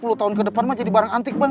sepuluh tahun ke depan mah jadi barang antik